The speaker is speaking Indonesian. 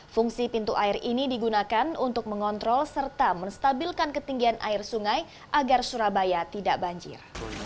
fungsi pintu air ini digunakan untuk mengontrol serta menstabilkan ketinggian air sungai agar surabaya tidak banjir